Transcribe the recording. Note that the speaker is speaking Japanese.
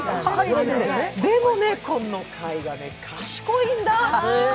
でもね、この貝が賢いんだ。